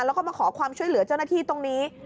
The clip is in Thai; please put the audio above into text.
แล้วก็มาขอความช่วยเหลือเจ้าหน้าที่ตรงนี้